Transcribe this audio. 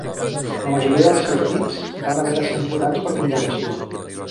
La majoria dels seus dits van haver de ser amputats per congelació.